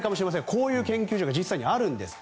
こういう研究所が実際にあるんです。